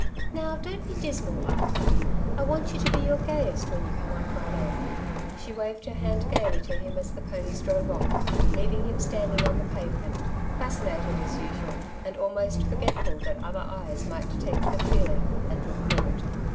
Now, don't be dismal, Arthur. I want you to be your gayest, when you come on Friday/' She waved her hand gaily to him as the ponies drove oflF, leaving him standing on the pavement, fascinated as usual, and almost forgetful that other eyes might detect the feeling, and report.